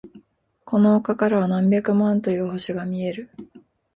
この丘からは何百万という星が見える。